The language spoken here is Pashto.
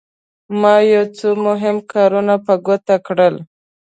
ما یو څو مهم کارونه په ګوته کړل.